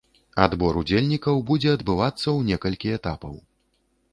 Адбор удзельнікаў будзе адбывацца ў некалькі этапаў.